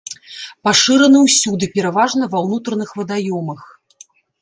Пашыраны ўсюды, пераважна ва ўнутраных вадаёмах.